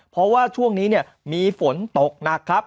เพราะว่าช่วงนี้เนี่ยมีฝนตกหนักครับ